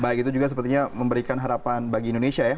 baik itu juga sepertinya memberikan harapan bagi indonesia ya